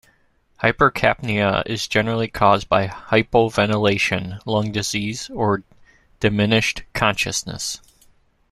Hypercapnia is generally caused by hypoventilation, lung disease, or diminished consciousness.